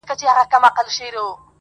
o که د سپینو اوبو جام وي ستا له لاسه,